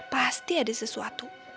pasti ada sesuatu